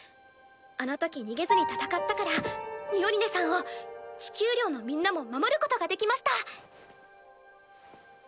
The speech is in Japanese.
あのとき逃げずに戦ったからミオリネさんを地球寮のみんなも守ることができました。